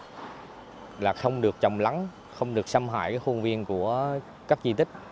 thì không được trồng lắng không được xâm hại khuôn viên của cấp di tích